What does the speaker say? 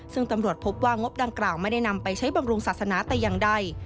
ซึ่งตำรวจพบว่างบดังกล่าวไม่ได้นำไปใช้บำรุงศาสนาแต่อย่างใด